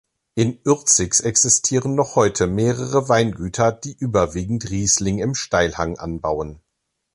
In Ürzig existieren noch heute mehrere Weingüter, die überwiegend Riesling im Steilhang anbauen.